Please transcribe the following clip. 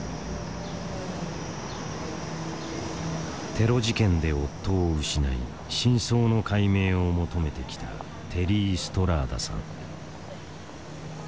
テロ事件で夫を失い真相の解明を求めてきたテリー・ストラーダさん。